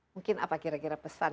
mungkin apa kira kira pesan